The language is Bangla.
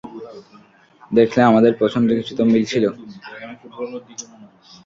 দেখলে, আমাদের পছন্দের কিছু তো মিল ছিল।